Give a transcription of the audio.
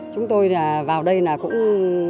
chúng tôi vào đây là cũng